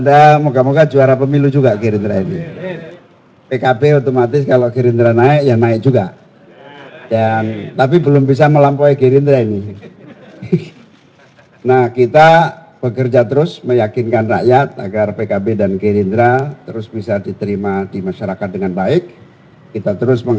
alhamdulillah selamat kepada pak prabowo surveinya semakin tinggi dan bagus